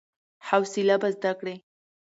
حوصله به زده کړې !